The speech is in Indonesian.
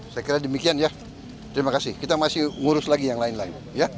saya kira demikian ya terima kasih kita masih ngurus lagi yang lain lagi